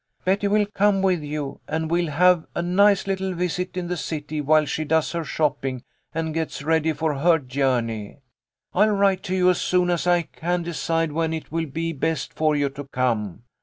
Betty will come with you, and we'll have a nice little visit in the city while she does her shopping and gets ready for her journey. I'll write to you as soon as I can decide when it will be best for you to come.